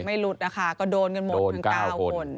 ไม่หลุดนะคะก็โดนกันหมด๙คน